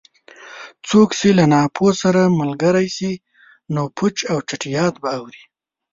څوک چې له ناپوه سره ملګری شي؛ نو پوچ او چټیات به اوري.